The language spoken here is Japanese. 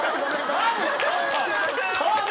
何でちょっと！